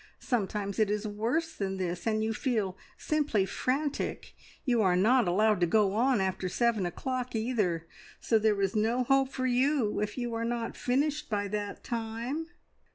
Sometimes it is worse than this, and you feel simply frantic. You are not allowed to go on after seven o'clock either, so there is no hope for you if you are not finished by that time."